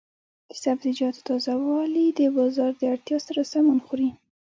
د سبزیجاتو تازه والي د بازار د اړتیا سره سمون خوري.